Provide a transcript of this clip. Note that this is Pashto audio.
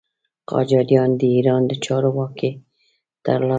قاجاریان د ایران د چارو واګې تر لاسه کړې.